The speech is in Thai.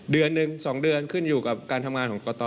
เดือนหนึ่ง๒เดือนขึ้นอยู่กับการทำงานของกต